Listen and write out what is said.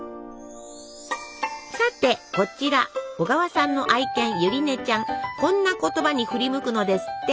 さてこちら小川さんの愛犬こんな言葉に振り向くのですって。